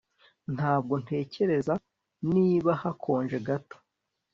Ntabwo ntekereza niba hakonje gato